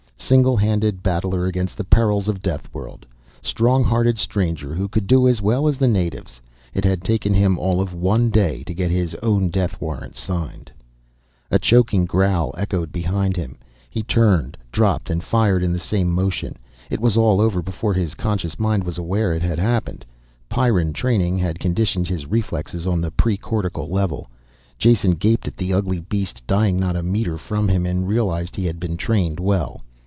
Single handed battler against the perils of deathworld. Strong hearted stranger who could do as well as the natives. It had taken him all of one day on his own to get his death warrant signed. A choking growl echoed behind him. He turned, dropped and fired in the same motion. It was all over before his conscious mind was aware it had happened. Pyrran training had conditioned his reflexes on the pre cortical level. Jason gaped at the ugly beast dying not a meter from him and realized he had been trained well.